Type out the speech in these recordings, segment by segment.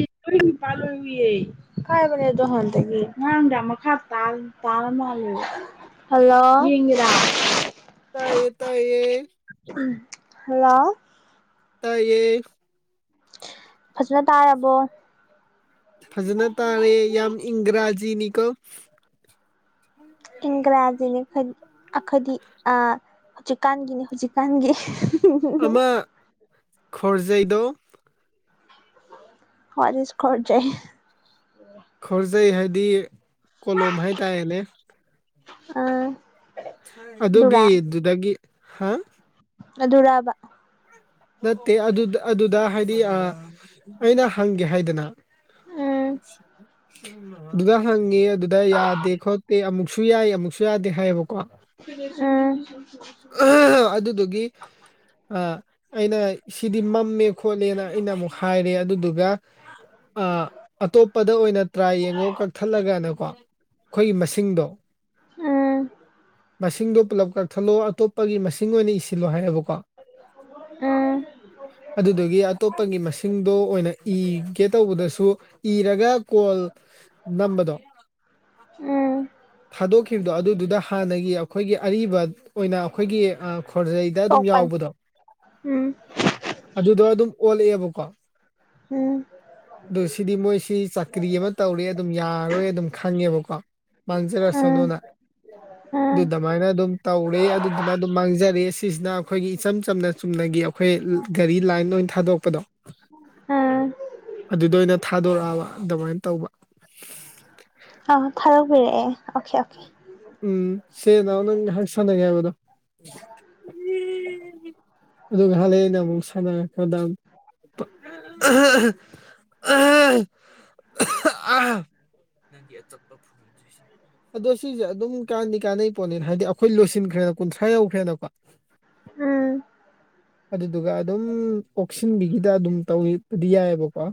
[unintelligible] ꯅꯨꯄꯥ ꯂꯣꯏ ꯎꯏꯌꯦ ꯍꯥꯏꯕꯅ‌ꯦ ꯑꯗꯨ ꯍꯥꯟꯗꯒꯤ ꯉꯥꯔꯥꯡꯗꯥꯡ ꯃꯈꯥ ꯇꯥꯡ ꯇꯥꯔ ꯃꯥꯜꯂ‌ꯦ ꯍꯜꯂꯣ ꯌ‌ꯦꯡꯒ‌ꯦꯔ ꯇꯥꯏꯌꯦ ꯇꯥꯏꯌꯦ ꯍꯜꯂꯣ ꯇꯥꯏꯌꯦ ꯐꯖꯅ ꯇꯥꯔꯕꯣ ꯐꯖꯅ ꯇꯥꯔꯦ ꯌꯥꯝ ꯏꯪꯒ꯭ꯔꯥꯖꯤꯅꯤꯀꯣ ꯏꯪꯒ꯭ꯔꯥꯖꯤꯅꯤ ꯑꯈ‌ꯣꯏ ꯑꯈ‌ꯣꯏꯗꯤ ꯑꯥ ꯖꯤꯛꯀꯥꯟꯒꯤꯅꯦ ꯍꯧꯖꯤꯛꯀꯥꯟꯒꯤ ꯑꯃ ꯈꯣꯔꯖꯩꯗꯣ ꯍ꯭ꯋꯥꯠ ꯏꯁ ꯈ‌ꯣꯔꯖꯩ ꯈꯔꯖꯩ ꯍꯥꯏꯗꯤ ꯀꯣꯂꯣꯝ ꯍꯥꯏꯇꯥꯔꯦꯅꯦ ꯑ ꯑꯗꯨꯒꯤꯗꯨꯗꯒꯤ ꯍꯥ ꯑꯗꯨꯔꯕ ꯅꯠꯇꯦ ꯑꯗꯨ ꯑꯗꯨꯗ ꯍꯥꯏꯗꯤ ꯑꯥ ꯑꯩꯅ ꯍꯪꯒꯦ ꯍꯥꯏꯗꯅ ꯎꯝ ꯗꯨꯗ ꯍꯪꯉꯦ ꯑꯗꯨꯗ ꯌꯥꯗꯦ ꯈꯣꯠꯇꯦ ꯑꯃꯨꯛꯁꯨ ꯇꯨꯌꯥꯏ ꯑꯃꯨꯛꯁꯨ ꯌꯥꯗꯦ ꯍꯥꯏꯌꯦꯕꯀꯣ ꯎꯝ ꯑꯗꯨꯗꯨꯒꯤ ꯑꯥ ꯑꯩꯅ ꯁꯤꯗꯤ ꯃꯝꯃꯦ ꯈꯣꯠꯂꯦꯅ ꯑꯩꯅ ꯑꯃꯨꯛ ꯍꯥꯏꯔꯦ ꯑꯗꯨꯗꯨꯒ ꯑꯥ ꯑꯇꯣꯞꯄꯗ ꯑꯣꯏꯅ ꯇ꯭ꯔꯥꯏ ꯌꯦꯡꯉꯣ ꯀꯛꯊꯠꯂꯒꯅꯀꯣ ꯑꯩꯈꯣꯏꯒꯤ ꯃꯁꯤꯡꯗꯣ ꯎꯝ ꯃꯁꯤꯡꯗꯣ ꯄꯨꯂꯞ ꯀꯛꯊꯠꯂꯣ ꯑꯇꯣꯞꯄꯒꯤ ꯃꯁꯤꯡ ꯑꯣꯏꯅ ꯏꯁꯤꯜꯂꯣ ꯍꯥꯏꯌꯦꯕꯀꯣ ꯑ ꯑꯗꯨꯗꯨꯒꯤ ꯑꯠ ꯇꯣꯞꯄꯒꯤ ꯃꯁꯤꯡꯗꯣ ꯑꯣꯏꯅ ꯏꯒꯦ ꯇꯧꯕꯗꯁꯨ ꯏꯔꯒ ꯀꯣꯜ ꯅꯝꯕꯗꯣ ꯎꯝ ꯊꯥꯗꯣꯛꯈꯤꯕꯗꯣ ꯑꯗꯨꯗꯨꯗ ꯍꯥꯟꯅꯒꯤ ꯑꯩꯈꯣꯏꯒꯤ ꯑꯔꯤꯕ ꯑꯣꯏꯅ ꯑꯩꯈꯣꯏꯒꯤ ꯑ ꯈꯣꯔꯖꯩ ꯆꯣꯞꯄꯟ ꯎꯝ ꯑꯗꯨꯗꯣ ꯑꯗꯨꯝ ꯑꯣꯜꯂꯛꯑꯦꯕꯀꯣ ꯎꯝ ꯑꯗꯨ ꯁꯤꯗꯤ ꯃꯣꯏꯁꯤ ꯆꯥꯀ꯭ꯔꯤ ꯑꯃ ꯇꯧꯔꯦ ꯑꯗꯨꯝ ꯌꯥꯔꯣꯏ ꯑꯗꯨꯝ ꯈꯪꯉꯦꯕꯀꯣ ꯎꯝ ꯃꯥꯡꯖꯔꯁꯔꯣꯅ ꯎꯝ ꯑꯗꯨ ꯗꯃꯥꯏꯅ ꯑꯗꯨꯝ ꯇꯧꯔꯦ ꯑꯗꯨꯗꯨꯅ ꯑꯗꯨꯝ ꯃꯥꯡꯖꯔꯦ ꯁꯤꯁꯤꯅ ꯑꯩꯈꯣꯏꯒꯤ ꯏꯆꯝ ꯆꯝꯅ ꯆꯨꯝꯅꯒꯤ ꯑꯩꯈꯣꯏ ꯒꯥꯔꯤ ꯂꯥꯏꯟ ꯑꯣꯏꯟ ꯊꯥꯗꯣꯛꯄꯗꯣ ꯎꯝ ꯑꯗꯨꯗ ꯑꯣꯏꯅ ꯊꯥꯗꯣꯔꯛꯑꯕ ꯑꯗꯨꯃꯥꯏꯟ ꯇꯧꯕ ꯑꯥ ꯊꯥꯗꯣꯛꯄꯤꯔꯛꯑꯦ ꯑꯣꯀꯦ ꯑꯣꯀꯦ ꯎꯝ ꯁꯦ ꯅꯥꯎ ꯅꯪ ꯉꯍꯥꯛ ꯁꯥꯟꯅꯒꯦ ꯍꯥꯏꯕꯗꯣ [unintelligible] ꯑꯗꯨ ꯉꯍꯥꯛ ꯂꯩ ꯑꯩꯅ ꯑꯃꯨꯛ ꯁꯥꯟꯅꯔꯛꯈ꯭ꯔꯗꯃꯤ [unintelligible] [unintelligible] ꯅꯪꯒꯤ ꯑꯆꯞ ꯐꯣꯟꯖꯨ ꯁꯦꯝꯃꯕ ꯑꯗꯣ ꯁꯤꯖꯦ ꯑꯗꯨꯝ ꯀꯥꯟꯗꯤ ꯀꯥꯟꯅꯩ ꯄꯣꯠꯅꯤ ꯍꯥꯏꯗꯤ ꯑꯩꯈꯣꯏ ꯂꯣꯏꯁꯤꯟꯈ꯭ꯔꯦꯅ ꯀꯨꯟꯊ꯭ꯔꯥ ꯌꯧꯈ꯭ꯔꯦꯅꯀꯣ ꯎꯝ ꯑꯗꯨꯗꯨꯒ ꯑꯗꯨꯝ ꯀꯣꯛꯁꯤꯟꯕꯤꯒꯤꯗ ꯑꯗꯨꯝ ꯇꯧꯋꯦꯕꯗꯤ ꯌꯥꯏꯌꯦꯕꯀꯣ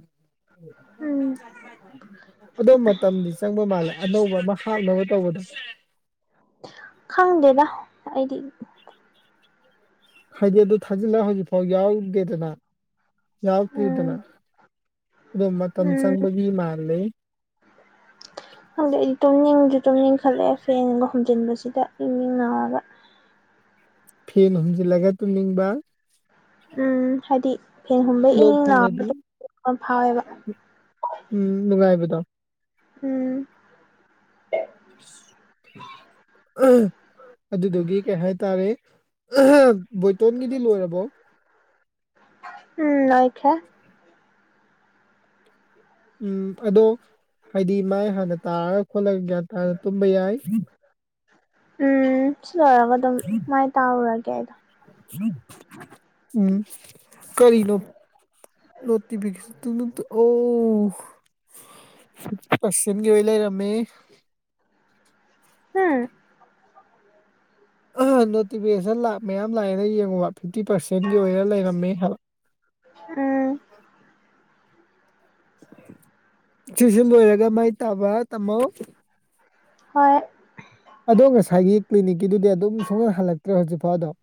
ꯎꯝ [unintelligible] ꯑꯗꯣ ꯃꯇꯝꯗꯤ ꯆꯪꯕ ꯃꯥꯜꯂꯦ ꯑꯅꯧꯕ ꯑꯃ ꯍꯥꯞꯅꯕ ꯇꯧꯕꯗꯣ ꯈꯪꯗꯦꯗ ꯑꯩꯗꯤ ꯍꯥꯏꯗꯤ ꯑꯗꯨ ꯊꯥꯖꯤꯜꯂ ꯍꯧꯖꯤꯛꯐꯥꯎ ꯌꯥꯎꯗꯦꯗꯅ ꯌꯥꯎꯛꯇ꯭ꯔꯤꯗꯅ ꯎꯝ ꯑꯗꯣ ꯃꯇꯝ ꯎꯝ ꯆꯪꯕꯒꯤ ꯃꯥꯜꯂꯦ [inaudible] ꯈꯪꯗꯦ ꯑꯩꯗꯤ ꯇꯨꯝꯅꯤꯡꯁꯨ ꯇꯨꯝꯅꯤꯡꯈꯠꯂꯛꯑꯦ ꯐꯦꯟꯒ ꯍꯨꯝꯖꯤꯟꯕꯁꯤꯗ ꯏꯡ ꯏꯡ ꯂꯥꯎꯔꯒ ꯐꯦꯟ ꯍꯨꯝꯖꯤꯜꯂꯒ ꯇꯨꯝꯅꯤꯡꯕ ꯎꯝ ꯍꯥꯏꯗꯤ ꯐꯦꯟ ꯍꯨꯝꯕꯩ ꯏꯪ ꯂꯣꯛ ꯏꯪ ꯊꯨꯡꯉꯗꯤ ꯂꯥꯎꯕꯗꯣ ꯐꯥꯎꯋꯦꯕ ꯎꯝ ꯅꯨꯡꯉꯥꯏꯕꯗꯣ ꯎꯝ [unintelligible] ꯑꯗꯨꯗꯨꯒꯤ ꯀꯩꯍꯥꯏꯇꯥꯔꯦ ꯕꯣꯏꯇꯣꯟꯒꯤꯗꯤ ꯂꯣꯏꯔꯕꯣ ꯎꯝ ꯂꯣꯏꯈ꯭ꯔꯦ ꯎꯝ ꯑꯗꯣ ꯍꯥꯏꯗꯤ ꯃꯥꯏ ꯍꯥꯟꯅ ꯇꯥꯔꯒ ꯈꯣꯠꯂꯒ ꯒ꯭ꯌꯥꯟ ꯇꯥꯅ ꯇꯨꯝꯕ ꯌꯥꯏ ꯎꯝ ꯁꯤ ꯂꯣꯏꯔꯒ ꯑꯗꯨꯝ ꯃꯥꯏ ꯇꯥꯔꯨꯔꯒꯦ ꯑꯩꯗꯣ ꯎꯝ ꯀꯔꯤꯅꯣ ꯅꯣꯇꯤꯐꯤꯀꯦꯁ ꯇꯨꯅꯨ ꯇꯨ ꯑꯣ ꯑꯁꯤꯟꯒꯤ ꯑꯣꯏ ꯂꯩꯔꯝꯃꯦ ꯍꯨ ꯑꯍ ꯅꯣꯇꯤꯐꯤꯀꯦꯁꯟ ꯂꯥ ꯃꯌꯥꯝ ꯂꯥꯛꯑꯦꯅ ꯌꯦꯡꯉꯨꯕ ꯐꯤꯐꯇꯤ ꯄꯥꯔꯁꯦꯟꯒꯤ ꯑꯣꯏꯔ ꯂꯩꯔꯝꯃꯦ ꯍꯥꯏꯕ ꯎꯝ ꯁꯤꯖꯤ ꯂꯣꯏꯔꯒ ꯃꯥꯏ ꯇꯥꯕ ꯇꯝꯃꯣ ꯍꯣꯏ ꯑꯗꯣ ꯉꯁꯥꯏꯒꯤ ꯀ꯭ꯂꯤꯅꯤꯛꯀꯤꯗꯨꯗꯤ ꯑꯗꯨꯝ ꯁꯨꯡꯍꯟ ꯍꯜꯂꯛꯇ꯭ꯔꯦ ꯍꯧꯖꯤꯛꯐꯥꯎ ꯑꯗꯨꯝ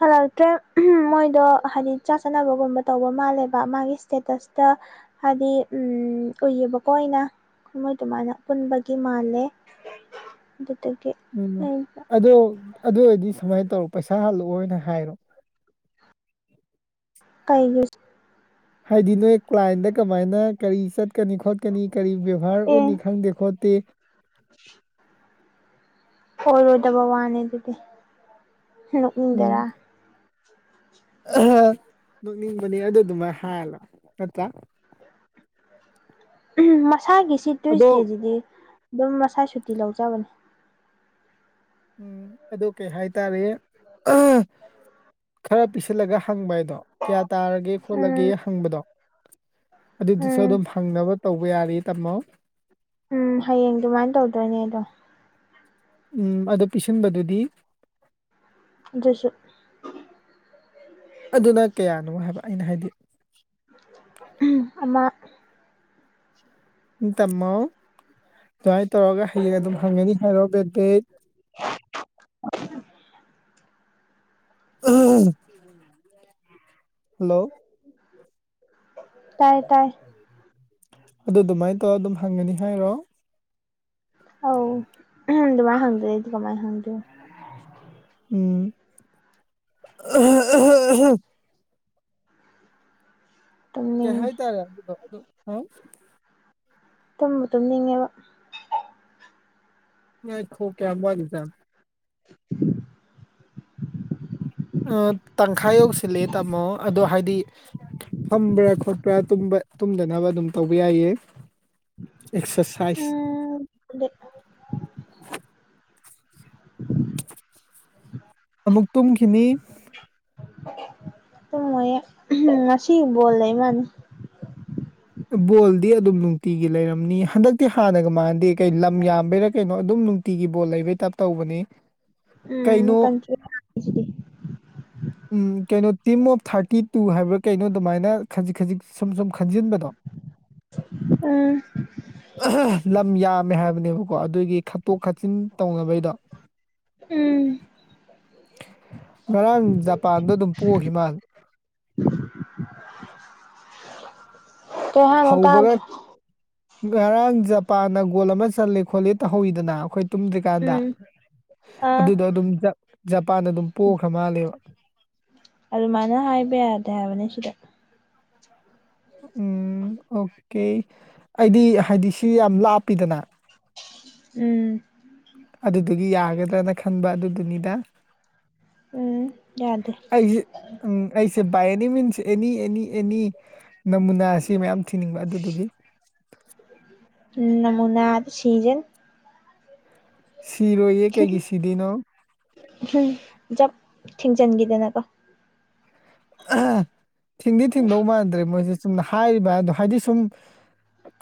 ꯍꯜꯂꯛꯇ꯭ꯔꯦ ꯃꯣꯏꯗꯣ ꯍꯥꯏꯗꯤ ꯆꯥꯛ ꯆꯥꯅꯕꯒꯨꯝꯕ ꯇꯧꯕ ꯃꯥꯜꯂꯦꯕ ꯃꯥꯒꯤ ꯏꯁꯇꯦꯇꯁꯇ ꯍꯥꯏꯗꯤ ꯎꯏꯌꯦꯕꯀꯣ ꯑꯩꯅ ꯃꯣꯏ ꯑꯗꯨꯃꯥꯏꯅ ꯄꯨꯟꯕꯒꯤ ꯃꯥꯜꯂꯦ ꯑꯗꯨꯗꯒꯤ ꯎꯝ ꯑꯩ ꯑꯗꯣ ꯑꯗꯨ ꯑꯣꯏꯔꯗꯤ ꯁꯨꯃꯥꯏ ꯇꯧ ꯄꯩꯁꯥ ꯍꯜꯂꯛꯑꯣꯅ ꯍꯥꯏꯔꯣ ꯀꯩꯒꯤ ꯍꯥꯏꯗꯤ ꯅꯣꯏ ꯀ꯭ꯂꯥꯏꯟꯗ ꯀꯃꯥꯏꯅ ꯀꯔꯤ ꯆꯠ ꯎꯠꯀꯅꯤ ꯈꯣꯠꯀꯅꯤ ꯀꯔꯤ ꯕꯦꯕꯥꯔ ꯑꯦ ꯎꯠꯅꯤ ꯈꯪꯗꯦ ꯈꯣꯠꯇꯦ [inaudible] ꯑꯣꯏꯔꯣꯏꯗꯕ ꯋꯥꯅꯦ ꯑꯗꯨꯗꯤ ꯎꯝ ꯅꯣꯛꯅꯤꯡꯗꯔꯥ ꯅꯣꯛꯅꯤꯡꯕꯅꯦ ꯑꯗꯨ ꯗꯨꯃꯥꯏ ꯍꯥꯏꯔꯂ ꯅꯠꯇ꯭ꯔꯥ ꯃꯁꯥꯒꯤꯁꯤ ꯑꯗꯣ ꯇ꯭ꯋꯤꯁꯗꯦꯁꯤꯗꯤ ꯑꯗꯨꯝ ꯃꯁꯥꯏ ꯁꯨꯇꯤ ꯂꯧꯖꯕꯅꯤ ꯑꯗꯨ ꯀꯩꯍꯥꯏꯇꯥꯔꯦ ꯈꯔ ꯄꯤꯁꯤꯜꯂꯒ ꯍꯪꯕ ꯍꯥꯏꯗꯣ ꯀꯌꯥ ꯇꯥꯔꯒꯦ ꯈꯣꯠꯂꯒꯦ ꯎꯝ ꯍꯪꯕꯗꯣ ꯑꯗꯨꯗꯨꯁꯨ ꯎꯝ ꯑꯗꯨꯝ ꯐꯪꯅꯕ ꯇꯧꯕ ꯌꯥꯔꯤ ꯇꯝꯃꯣ ꯎꯝ ꯍꯌꯦꯡ ꯑꯗꯨꯃꯥꯏꯅ ꯇꯧꯗꯣꯏꯅꯦ ꯑꯗꯣ ꯎꯝ ꯑꯗꯨ ꯄꯤꯁꯤꯟꯕꯗꯨꯗꯤ ꯑꯗꯨꯁꯨ ꯑꯗꯨꯅ ꯀꯌꯥꯅꯣ ꯍꯥꯏꯕ ꯑꯩꯅ ꯍꯥꯏꯗꯤ ꯑꯃ ꯎꯝ ꯇꯝꯃꯣ ꯑꯗꯨꯋꯥꯏ ꯇꯧꯔꯒ ꯍꯌꯦꯡ ꯑꯗꯨꯝ ꯐꯪꯒꯅꯤ ꯍꯥꯏꯔꯣ ꯕꯦꯠꯇꯤ ꯑ [unintelligible] ꯍꯜꯂꯣ ꯇꯥꯏ ꯇꯥꯏ ꯑꯗꯨ ꯑꯗꯨꯃꯥꯏ ꯇꯧꯔ ꯑꯗꯨꯝ ꯐꯪꯒꯅꯤ ꯍꯥꯏꯔꯣ ꯑꯧ ꯑꯗꯨꯃꯥꯏ ꯍꯪꯗꯔꯗꯤ ꯀꯃꯥꯏ ꯍꯪꯗꯣꯏꯅꯣ ꯎꯝ ꯀꯩ ꯇꯨꯝꯅꯤꯡꯉꯦ ꯍꯥꯏꯇꯥꯔꯦ ꯑꯗꯨꯗꯣ ꯑꯗꯨ ꯍꯥꯎ ꯇꯝꯕꯨ ꯇꯨꯝꯅꯤꯡꯉꯦꯕ ꯉꯏꯈꯣ ꯀꯌꯥꯝ ꯋꯥꯠꯂꯤꯖꯥꯠꯅꯣ ꯑ ꯇꯪꯈꯥꯏ ꯌꯧꯁꯤꯜꯂꯛꯑꯦ ꯇꯥꯃꯣ ꯑꯗꯣ ꯍꯥꯏꯗꯤ ꯐꯝꯕ꯭ꯔꯥ ꯈꯣꯠꯄ꯭ꯔꯥ ꯇꯨꯝꯕ ꯇꯨꯝꯗꯅꯕ ꯑꯗꯨꯝ ꯇꯧꯕ ꯌꯥꯏꯌꯦ ꯑꯦꯛꯁꯔꯁꯥꯏ ꯎꯝ ꯑꯗꯨꯗꯤ ꯑꯃꯨꯛ ꯇꯨꯨꯝꯈꯤꯅꯤ ꯇꯨꯝꯃꯣꯏꯌꯦ ꯉꯁꯤꯕꯣꯜꯂꯩ ꯃꯥꯜꯂꯦ ꯕꯣꯜꯗꯤ ꯑꯗꯨꯝ ꯅꯨꯡꯇꯤꯒꯤ ꯂꯩꯔꯝꯅꯤ ꯍꯟꯗꯛꯇꯤ ꯍꯥꯟꯅꯒ ꯃꯥꯟꯅꯗꯦ ꯀꯩ ꯂꯝ ꯌꯥꯝꯕꯩꯔꯥ ꯀꯩꯅꯣ ꯑꯗꯨꯝ ꯅꯨꯡꯇꯤꯒꯤ ꯕꯣꯜ ꯂꯩꯕꯩ ꯇꯥꯞ ꯇꯧꯕꯅꯤ ꯎꯝ ꯀꯩꯅꯣ ꯀꯟꯇ꯭ꯔꯤ ꯌꯥꯝꯃꯤꯁꯤꯗꯤ ꯎꯝ ꯀꯩꯅꯣ ꯇꯤꯝ ꯑꯣꯐ ꯊꯥꯔꯇꯤꯇꯨ ꯍꯥꯏꯕ꯭ꯔꯥ ꯀꯩꯅꯣ ꯑꯗꯨꯃꯥꯏꯅ ꯈꯖꯤꯛ ꯈꯖꯤꯛ ꯁꯨꯝ ꯁꯨꯝ ꯈꯟꯖꯤꯟꯕꯗꯣ ꯑ ꯂꯝ ꯌꯥꯝꯃꯦ ꯍꯥꯏꯕꯅꯦꯕꯀꯣ ꯑꯗꯨꯒꯤ ꯈꯠꯇꯣꯛ ꯈꯥꯆꯤꯟ ꯇꯧꯅꯕꯩꯗꯣ ꯎꯝ ꯉꯔꯥꯡ ꯖꯄꯥꯟꯗꯣ ꯑꯗꯨꯝ ꯄꯣꯛꯈꯤ ꯃꯥꯜꯂꯦ ꯀꯩ ꯍꯥꯏꯅꯣ ꯍꯧꯕꯒ ꯇꯥꯗ꯭ꯔꯦ ꯉꯔꯥꯡ ꯖꯄꯥꯟꯅ ꯒꯣꯜ ꯑꯃ ꯆꯜꯂꯦ ꯈꯣꯠꯂꯦ ꯇꯧꯍꯧꯋꯤꯗꯅ ꯑꯩꯈꯣꯏ ꯇꯨꯝꯗ꯭ꯔꯤꯀꯥꯟꯗ ꯎꯝ ꯑꯥ ꯑꯗꯨꯗꯣ ꯑꯗꯨꯝ ꯖꯄꯥꯟꯅ ꯑꯗꯨꯝ ꯄꯣꯈ꯭ꯔ ꯃꯥꯜꯂꯦꯕ ꯑꯗꯨꯃꯥꯏꯅ ꯍꯥꯏꯕ ꯌꯥꯗꯦ ꯍꯥꯏꯕꯅꯤ ꯁꯤꯗ ꯎꯝ ꯑꯣꯀꯦ ꯑꯩꯗꯤ ꯍꯥꯏꯗꯤ ꯁꯤ ꯌꯥꯝ ꯂꯥꯞꯄꯤꯗꯅ ꯎꯝ ꯑꯗꯨꯗꯨꯒꯤ ꯌꯥꯒꯗ꯭ꯔꯅ ꯈꯟꯕ ꯑꯗꯨꯗꯨꯅꯤꯗ ꯎꯝ ꯌꯥꯗꯦ ꯑꯩꯁꯦ ꯎꯝ ꯑꯩꯁꯦ ꯕꯥꯏ ꯑꯦꯅꯤ ꯃꯤꯟꯁ ꯑꯦꯅꯤ ꯑꯦꯅꯤ ꯑꯦꯅꯤ ꯅꯃꯨꯅꯥ ꯁꯤ ꯃꯌꯥꯝ ꯊꯤꯅꯤꯡꯕ ꯑꯗꯨꯗꯨꯒꯤ ꯎꯝ ꯅꯃꯨꯅꯥ ꯗ ꯁꯤꯖꯅꯤ ꯁꯤꯔꯣꯏꯌꯦ ꯀꯩꯒꯤ ꯁꯤꯗꯣꯏꯅꯣ ꯎꯝ ꯖꯞ ꯊꯤꯡꯖꯤꯟꯈꯤꯗꯅꯀꯣ [unintelligible] ꯊꯤꯡꯗꯤ ꯊꯤꯡꯗꯧ ꯃꯥꯟꯗ꯭ꯔꯦ ꯃꯣꯏꯁꯦ ꯆꯨꯝꯅ ꯍꯥꯏꯔꯤꯕ ꯍꯗꯣ ꯍꯥꯏꯗꯤ ꯁꯨꯝ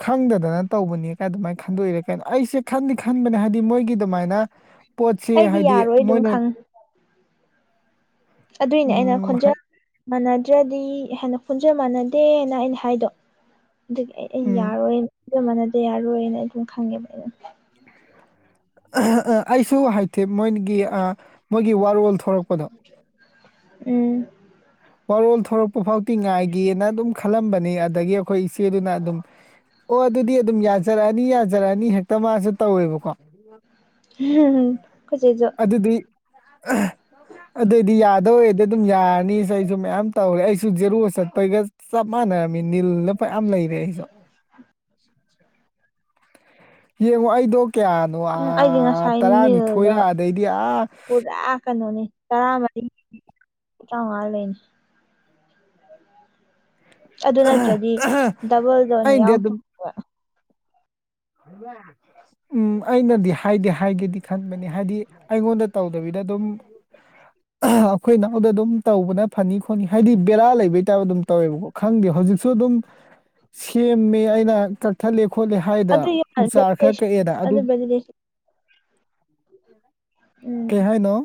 ꯈꯪꯗꯗꯅ ꯇꯧꯕꯅꯤ ꯀꯥꯏꯅ ꯑꯗꯨꯃꯥꯏꯅ ꯈꯟꯗꯣꯛꯏꯔ ꯀꯥꯏꯅꯣ ꯑꯩꯁꯦ ꯈꯟꯗꯤ ꯈꯟꯕꯅꯦ ꯍꯥꯏꯗꯤ ꯃꯣꯏꯒꯤ ꯑꯗꯨꯃꯥꯏꯅ ꯄꯣꯠꯁꯤ ꯑꯩꯗꯤ ꯍꯥꯏꯗꯤ ꯌꯥꯔꯣꯏ ꯑꯗꯨꯝ ꯃꯣꯏꯅ ꯈꯪ ꯑꯗꯨꯏꯅꯦ ꯑꯩꯅ ꯎꯝ ꯍꯥꯏ ꯈꯣꯟꯖꯦꯜ ꯃꯥꯟꯅꯗ꯭ꯔꯗꯤ ꯍꯦꯟꯅ ꯈꯣꯟꯖꯦꯜ ꯃꯥꯟꯅꯗꯦꯅ ꯑꯩꯅ ꯍꯥꯏꯗꯣ ꯑꯗꯨꯒꯤ ꯑꯩ ꯑꯩ ꯎꯝ ꯌꯥꯔꯣꯏꯅ__ ꯑꯗꯨ ꯃꯥꯟꯅꯗꯦ ꯌꯥꯔꯣꯏ ꯑꯩ ꯑꯗꯨꯝ ꯈꯪꯉꯦꯕ ꯑꯩꯅ [unintelligible] ꯑꯩꯁꯨ ꯍꯥꯏꯇꯦ ꯃꯣꯏꯅꯒꯤ ꯑ ꯃꯣꯏ ꯒꯤ ꯋꯥꯔꯣꯜ ꯊꯣꯔꯛꯄꯗꯣ ꯎꯝ ꯋꯥꯔꯣꯜ ꯊꯣꯔꯛꯄ ꯐꯥꯎꯗꯤ ꯉꯥꯏꯒꯦꯅ ꯑꯗꯨꯝ ꯈꯜꯂꯝꯕꯅꯤ ꯑꯗꯒꯤ ꯑꯩꯈꯣꯏ ꯏꯆꯦꯗꯨꯅ ꯑꯗꯨꯝ ꯑꯣ ꯑꯗꯨꯗꯤ ꯑꯗꯨꯝ ꯌꯥꯖꯔꯛꯑꯅꯤ ꯌꯥꯖꯔꯛꯑꯅꯤ ꯍꯦꯛꯇ ꯃꯥꯁꯨ ꯇꯧꯋꯦꯕꯀꯣ ꯑꯩꯈꯣꯏ ꯆꯦꯁꯨ ꯑꯗꯨꯗꯨꯏ ꯑꯗꯣꯗꯤ ꯌꯥꯗꯣꯏꯑꯣꯏꯗꯤ ꯑꯗꯨꯝ ꯌꯥꯔꯅꯤ [unintelligible] ꯃꯌꯥꯝ ꯇꯧꯔꯦ ꯑꯩꯁꯨ ꯖꯦꯔꯣ ꯆꯠꯄꯩꯒ ꯆꯞ ꯃꯥꯟꯅꯔꯝꯃꯤ ꯅꯤꯜꯂ ꯃꯌꯥꯝ ꯂꯩꯔꯦ ꯑꯩꯁꯨ ꯌꯦꯡꯉꯣ ꯑꯩꯗꯣ ꯀꯌꯥꯅꯣ ꯑ ꯎꯝ ꯑꯩꯗꯤ ꯉꯁꯥꯏ ꯅꯤꯜꯗꯣ ꯇꯔꯥꯅꯤꯊꯣꯏꯔ ꯑꯗꯩꯗꯤ ꯑꯥ ꯄꯨꯔꯥ ꯀꯩꯅꯣꯅꯤ ꯇꯔꯥꯃꯔꯤ ꯇꯥꯔꯉꯥꯗꯤ ꯂꯩꯅꯤ ꯑꯗꯨ ꯅꯠꯇ꯭ꯔꯗꯤ ꯗꯕꯜꯗ ꯑꯣꯏꯅ ꯑꯩꯅꯗꯤ ꯑꯗꯨꯝ ꯌꯥꯎꯊꯣꯛ [unintelligible] ꯎꯝ ꯑꯩꯅꯗꯤ [unintelligible] ꯍꯥꯏꯗꯤ ꯍꯥꯏꯒꯦꯗꯤ ꯈꯟꯕꯅꯤ ꯍꯥꯏꯗꯤ ꯑꯩꯉꯣꯟꯗ ꯇꯧꯗꯕꯤꯗ ꯑꯗꯨꯝ [unintelligible] ꯑꯩꯈꯣꯏ ꯏꯅꯥꯎꯗ ꯑꯗꯨꯝ ꯇꯧꯕꯅ ꯐꯅꯤ ꯈꯣꯠꯅꯤ ꯍꯥꯏꯗꯤ ꯕꯦꯔꯥ ꯂꯩꯕꯩ ꯇꯥꯏꯞ ꯑꯗꯨꯝ ꯇꯧꯋꯦꯕꯀꯣ ꯈꯪꯗꯦ ꯍꯧꯖꯤꯛꯁꯨ ꯑꯗꯨꯝ ꯁꯦꯝꯃꯦ ꯑꯩꯅ ꯀꯛꯊꯠꯂꯦ ꯈꯣꯠꯂꯦ ꯍꯥꯏꯗꯣ ꯑꯗꯨ ꯎ ꯌꯥꯔ ꯆꯥꯔ ꯈꯔ ꯚꯦꯂꯤꯗꯦꯁꯟ ꯀꯛꯑꯦꯅ ꯑꯗꯨ ꯚꯦꯂꯤꯗꯦꯁꯟ [unintelligible] ꯎꯝ ꯀꯩꯍꯥꯏꯅꯣ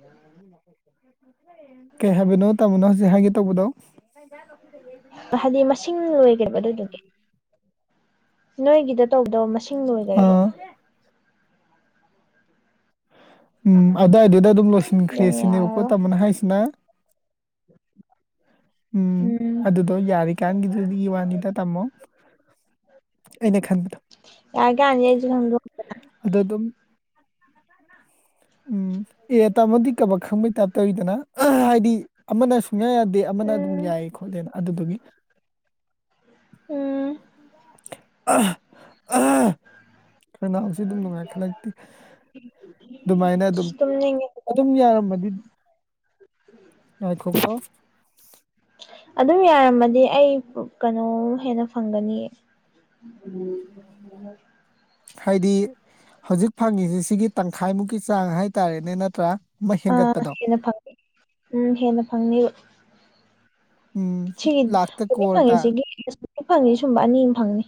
ꯌꯥꯔꯅꯤ ꯅꯀꫭꯛꯇꫭ [unintelligible] ꯀꯩ ꯍꯥꯏꯕꯅꯣ ꯇꯥꯃꯣꯅ ꯍꯧꯖꯤꯛ ꯍꯥꯏꯒꯦ ꯇꯧꯕꯗꯣ ꯇꯥꯅꯤꯡꯇꯥꯁꯅꯨ ꯈꯨꯗ ꯌꯦꯟ ꯍꯥꯏꯗꯤ ꯃꯁꯤꯡ ꯂꯣꯏꯒ꯭ꯔꯦꯕ ꯑꯗꯨꯗꯨꯒꯤ ꯅꯣꯏꯒꯤꯗ ꯇꯧꯗꯧ ꯃꯁꯤꯡ ꯂꯣꯏꯒ꯭ꯔꯦꯕ ꯑꯥ ꯎꯝ ꯑꯗꯥꯏꯗꯨꯗ ꯑꯗꯨꯝ ꯂꯣꯏꯁꯤꯟꯈ꯭ꯔꯦ ꯑꯗꯨꯅ ꯁꯤꯅꯦꯕꯀꯣ ꯌꯥꯔꯔꯣꯏ ꯇꯥꯃꯣꯅ ꯍꯥꯏꯁꯤꯅ ꯎꯝ ꯑꯗꯨꯞ ꯗꯣ ꯌꯥꯔꯤꯀꯥꯟꯒꯤꯗꯨꯗꯤꯏ ꯋꯥꯅꯤꯗ ꯇꯥꯝꯃꯣ ꯑꯩꯅ ꯈꯪꯕꯗ ꯌꯥꯔꯤ ꯀꯥꯟꯁꯤꯗ ꯑꯩꯁꯨ ꯁꯥꯝꯗꫭꯛ ꯑꯗꯣ ꯑꯗꯨꯝ ꯎꯝ ꯑꯦ ꯇꯥꯃꯣꯗꯤ ꯀꯕꯛ ꯈꯪꯕꯩ ꯇꯥꯏꯞ ꯇꯧꯌꯤꯗꯅ ꯑꯥ ꯍꯥꯏꯗꯤ ꯑꯃꯅ ꯁꯨꯡꯌꯥ ꯌꯥꯗꯦ ꯑꯃꯅ ꯑꯗꯨꯝ ꯎꯝ ꯌꯥꯏ ꯈꯣꯠꯂꯦꯅ ꯑꯗꯨꯗꯨꯒꯤ ꯎꯝ [inaudible] ꯈꯅꯥꯎꯁꯦ ꯑꯗꯨꯝ ꯅꯨꯡꯉꯥꯏ ꯈꯜꯂꯛꯇꯦ ꯑꯗꯨꯃꯥꯏꯅ ꯑꯗꯨꯝ ꯑꯁ ꯇꯨꯝꯅꯤꯡꯉꯦ ꯐꯖꯅ ꯑꯗꯨꯝ ꯌꯥꯔꯝꯃꯗꯤ ꯉꯥꯏꯈꯣꯀꯣ ꯑꯗꯨꯝ ꯌꯥꯔꯝꯃꯗꯤ ꯑꯩ ꯀꯩꯅꯣ ꯍꯦꯟꯅ ꯐꯪꯒꯅꯤꯌꯦ [unintelligible] [unintelligible] ꯍꯥꯏꯗꯤ ꯍꯧꯖꯤꯛ ꯐꯪꯉꯤꯁꯤ ꯁꯤꯒꯤ ꯇꯪꯈꯥꯏꯃꯨꯛꯀꯤ ꯆꯥꯡ ꯍꯥꯏꯇꯥꯔꯦꯅꯦ ꯅꯠꯇ꯭ꯔꯥ ꯑꯃ ꯑꯥ ꯍꯦꯟꯒꯠꯄꯗꯣ ꯍꯦꯟꯅ ꯐꯪꯅꯤ ꯎꯝ ꯍꯦꯟꯅ ꯐꯪꯅꯤꯕ ꯎꯝ ꯁꯤꯒꯤ ꯂꯥꯛꯇ ꯍꯧꯖꯤꯛ ꯀꯣꯔ ꯇꯥꯔꯦ ꯐꯪꯉꯤꯁꯤꯒꯤ [unintelligible] ꯍꯧꯖꯤꯛ ꯐꯪꯉꯤ ꯁꯨꯝꯕ ꯑꯅꯤꯃ ꯐꯪꯅꯤ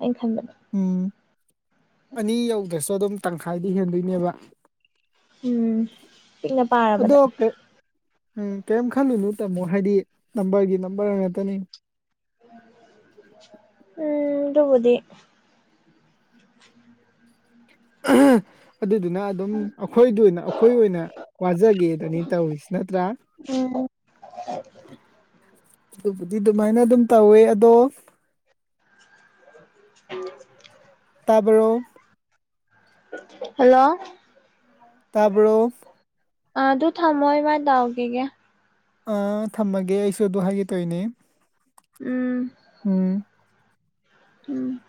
ꯑꯩꯅ ꯈꯟꯕꯗ ꯎꯝ ꯑꯅꯤ ꯌꯧꯗ꯭ꯔꯥꯁꯨ ꯑꯗꯨꯝ ꯇꯪꯈꯥꯏꯗꯤ ꯍꯦꯟꯗꯣꯏꯅꯦꯕ ꯎꯝ ꯄꯤꯛꯅ ꯑꯗꯣ ꯄꯥꯔꯕꯗ ꯀꯩ ꯎꯝ ꯀꯦꯝ ꯈꯜꯂꯨꯅꯨ ꯇꯥꯃꯣ ꯍꯥꯏꯗꯤ ꯅꯝꯕꯔꯒꯤ ꯅꯝꯕꯔ ꯉꯥꯛꯇꯅꯤ ꯎꯝ ꯗꯨꯕꯨꯗꯤ ꯑꯗꯨꯗꯨꯅ ꯑꯗꯨꯝ ꯑꯥ ꯑꯩꯈꯣꯏꯗ ꯑꯣꯏꯅ ꯑꯩꯈꯣꯏ ꯑꯣꯏꯅ ꯋꯥꯖꯒꯦꯗꯅꯤ ꯇꯧꯔꯤꯁꯤ ꯅꯠꯇ꯭ꯔꯥ ꯎꯝ꯫ ꯑꯗꯨꯕꯨꯗꯤ ꯑꯗꯨꯃꯥꯏꯅ ꯑꯗꯨꯝ ꯇꯧꯋꯦ ꯑꯗꯣ [unintelligible] ꯇꯥꯕ꯭ꯔꯣ ꯍꯜꯂꯣ ꯇꯥꯕ꯭ꯔꯣ ꯑ ꯑꯗꯨ ꯊꯝꯃꯣ ꯏꯃꯥ ꯑꯩ ꯗꯥꯎꯒꯤꯒꯦ ꯑ ꯊꯝꯃꯒꯦ ꯑꯩꯁꯨ ꯑꯗꯨ ꯍꯥꯏꯒꯦ ꯇꯧꯏꯅꯦ ꯎꯝ꯫ ꯎꯝ꯫ ꯎꯝ꯫